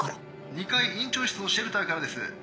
２階院長室のシェルターからです。